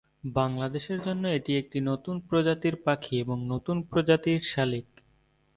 বাংলাদেশের জন্য এটি একটি নতুন প্রজাতির পাখি এবং নতুন প্রজাতির শালিক।